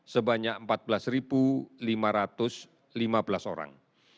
sebanyak empat belas lima ratus lima belas orang